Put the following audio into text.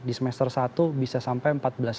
di semester satu bisa sampai empat belas tiga ratus